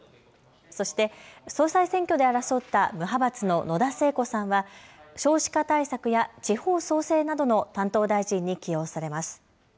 そして、総裁選挙で争った無派閥の野田聖子さんは、少子化対策や地方創生などの担当大臣に起用されます。